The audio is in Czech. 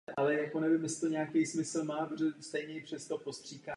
Zemřel v Ostravě.